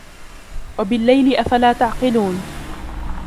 وَبِاللَّيْلِ أَفَلَا تَعْقِلُونَ